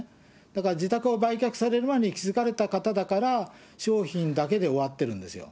だから自宅を売却される前に気付かれた方だから商品だけで終わってるんですよ。